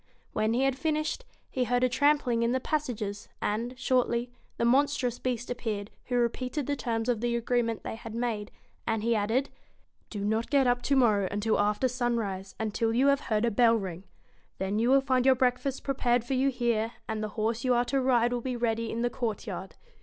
When he had finished, he heard a trampling in the pass ages, and, shortly, the monstrous Beast appeared, who repeated the terms of the agreement they had made ; and he added 1 Do not get up to morrow until after sunrise, and till you have heard a bell ring. Then you will find your breakfast prepared for you here, and the horse you are to ride will be ready in the court yard.